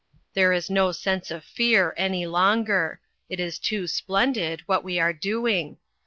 There is no sense of fear any longer. It is too splendid, what we are doing.